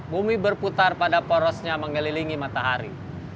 bumi berputar pada porosnya mengelilingi matahari